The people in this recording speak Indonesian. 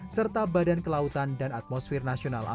serta badan kelautan dan atmosfer nasional